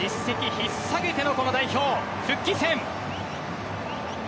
引っ提げてのこの代表復帰戦。